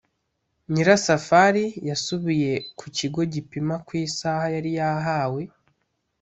nyirasafari yasubiye ku kigo gipima kw’ isaha yari yahawe